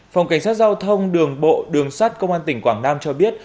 phòng cảnh sát giao thông đường bộ đường sát công an tỉnh quảng nam cho biết